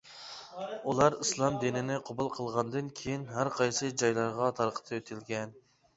ئۇلار ئىسلام دىنىنى قوبۇل قىلغاندىن كېيىن، ھەرقايسى جايلارغا تارقىتىۋېتىلگەن.